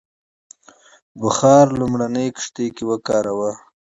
بخار لومړنۍ کښتۍ کې وکاراوه.